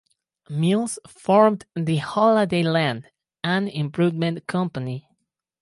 Mills, formed the Holladay Land and Improvement Company.